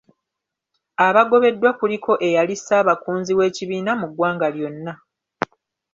Abagobeddwa kuliko eyali Ssaabakunzi w’ekibiina mu ggwanga lyonna.